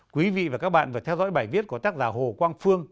quý vị và các bạn vừa theo dõi bài viết của tác giả hồ quang phương